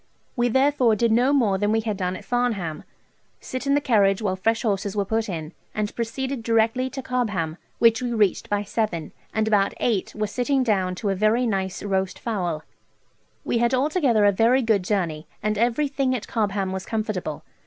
We therefore did no more than we had done at Farnham sit in the carriage while fresh horses were put in, and proceeded directly to Cobham, which we reached by seven, and about eight were sitting down to a very nice roast fowl, &c. We had altogether a very good journey, and everything at Cobham was comfortable.